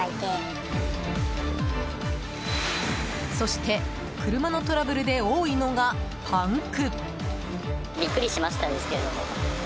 そして車のトラブルで多いのがパンク。